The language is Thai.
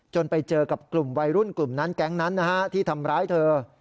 ไปเจอกับกลุ่มวัยรุ่นกลุ่มนั้นแก๊งนั้นนะฮะที่ทำร้ายเธอ